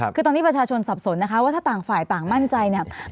คือตอนนี้ประชาชนสับสนนะคะว่าถ้าต่างฝ่ายต่างมั่นใจเนี่ย